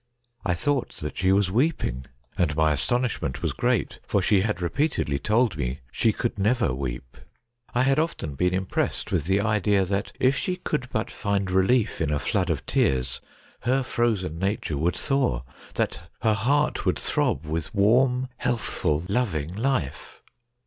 I thought that she was weeping, and my astonishment was great, for she had repeatedly told me she could never weep. I had often been impressed with the idea that if she could but find relief in a flood of tears her frozen nature would thaw, that her heart would throb with warm, healthful, loving life.